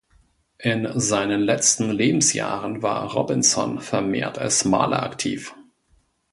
In seinen letzten Lebensjahren war Robinson vermehrt als Maler aktiv.